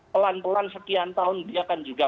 pelan pelan sekian tahun dia kan juga